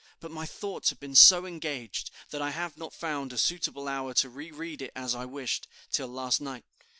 But my thoughts have been so engaged that I have not found a suitable hour to reread it as I wished, till last night.